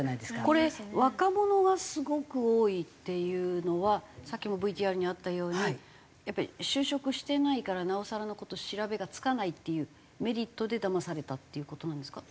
これ若者がすごく多いっていうのはさっきもＶＴＲにあったようにやっぱり就職してないからなおさらの事調べがつかないっていうメリットでだまされたっていう事なんですか？